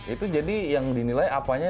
itu jadi yang dinilai apanya